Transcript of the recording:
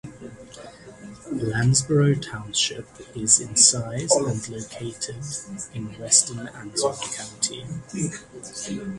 Lanesboro Township is in size and located in western Anson County.